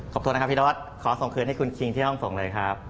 บวนะครับพี่รถขอส่งคืนให้คุณคิงที่ห้องส่งเลยครับ